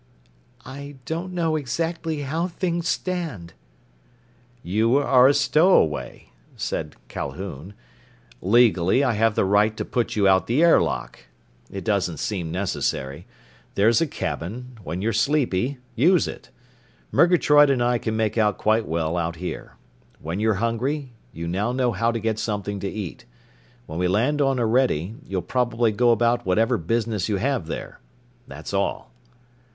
"I don't know exactly how things stand." "You are a stowaway," said Calhoun. "Legally, I have the right to put you out the airlock. It doesn't seem necessary. There's a cabin. When you're sleepy, use it. Murgatroyd and I can make out quite well out here. When you're hungry, you now know how to get something to eat. When we land on Orede, you'll probably go about whatever business you have there. That's all."